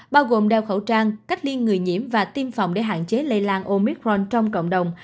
bao gồm đeo khẩu trang cách ly người nhiễm và tiêm phòng để hạn chế lây lan omicron trong cộng đồng